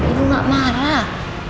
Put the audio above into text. ibu gak marah